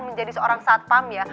menjadi seorang satpam ya